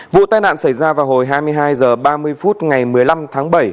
vụ tai nạn xảy ra vào hồi hai mươi hai h ba mươi phút ngày một mươi năm tháng bảy